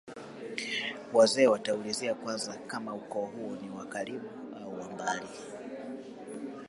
wazee wataulizia kwanza kama ukoo huo ni wa karibu au wa mbali